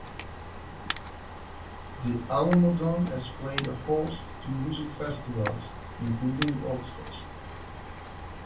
The Alamodome has played host to music festivals, including Ozzfest.